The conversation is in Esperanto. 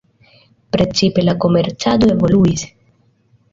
Precipe la komercado evoluis.